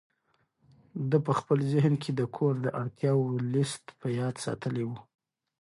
ده په خپل ذهن کې د کور د اړتیاوو لست په یاد ساتلی و.